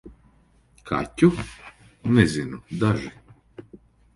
Kaķu? Nezinu - daži.